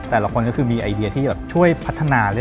แต่ละคนก็คือมีไอเดียที่แบบช่วยพัฒนา